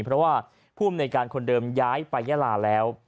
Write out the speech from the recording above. เพราะว่าภูมิในการคนเดิมย้ายไปยะหล่าแล้ว